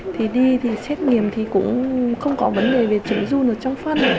thì đi thì xét nghiệm thì cũng không có vấn đề về trứng run ở trong phân